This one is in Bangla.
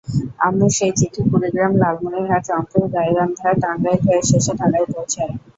আম্মুর সেই চিঠি কুড়িগ্রাম, লালমনিরহাট, রংপুর, গাইবান্ধা, টাঙ্গাইল হয়ে শেষে ঢাকা পৌঁছায়।